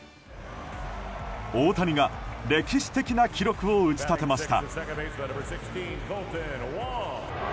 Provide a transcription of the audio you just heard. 大谷が歴史的な記録を打ち立てました。